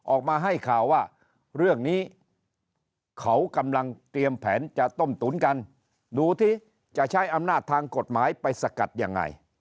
ออกมาให้ข่าวว่าเรื่องนี้เขากำลังเตรียมแผนจะต้มตุ๋นกันดูที่จะใช้อำนาจทางกฎหมายไปสกัดยังไง